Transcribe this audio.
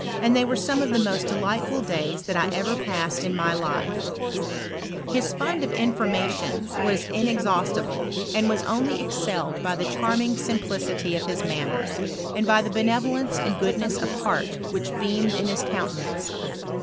and they were Bome of the most delightful days that I ever passed in my lii'e. Hia fund of iuformaCiou was inex PROGREgS 07 ANALYTICAL CHEMISTRY. 243 liaustible, and was only excelled by the chonnixig Biin])licity of his manners, and by the benevoience and goodness of heart which beamed in his counten ance.